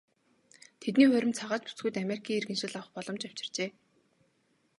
Тэдний хурим цагаач бүсгүйд Америкийн иргэншил авах боломж авчирчээ.